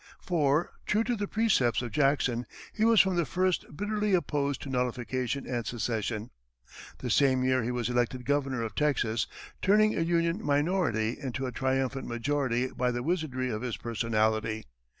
For, true to the precepts of Jackson, he was from the first bitterly opposed to nullification and secession. The same year, he was elected governor of Texas, turning a Union minority into a triumphant majority by the wizardry of his personality.